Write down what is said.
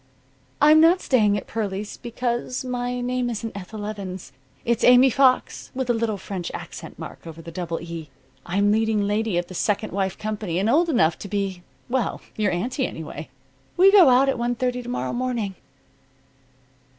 "I'm not staying at Pearlie's because my name isn't Ethel Evans. It's Aimee Fox, with a little French accent mark over the double E. I'm leading lady of the 'Second Wife' company and old enough to be well, your aunty, anyway. We go out at one thirty to morrow morning."